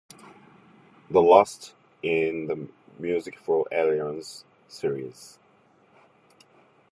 The last in the "Music for Aliens" series.